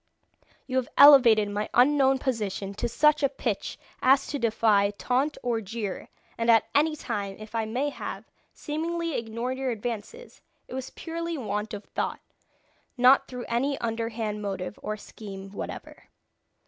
You have elevated my unknown position to such a pitch as to defy taunt or jeer, and at any time if I may have, seemingly, ignored your advances, it was purely want of thought, and not through any underhand motive or scheme whatever.